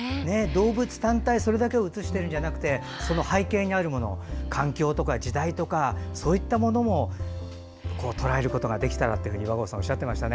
動物単体それだけを写しているんじゃなくて背景にあるもの環境とか時代とかそういったものもとらえることができたらと岩合さんおっしゃってました。